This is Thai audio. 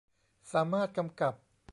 สามารถกำกับ